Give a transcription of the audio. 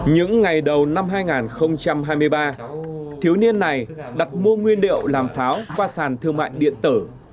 những ngày đầu năm hai nghìn hai mươi ba thiếu niên này đặt mua nguyên liệu làm pháo qua sàn thương mại điện tử